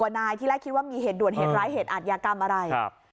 นายที่แรกคิดว่ามีเหตุด่วนเหตุร้ายเหตุอาทยากรรมอะไร